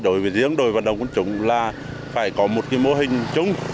đối với diễn đổi vận động quân chủng là phải có một mô hình chúng